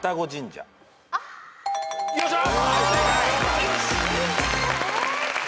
よっしゃ！